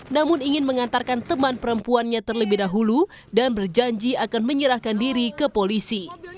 namun ingin mengantarkan teman perempuannya terlebih dahulu dan berjanji akan menyerahkan diri ke polisi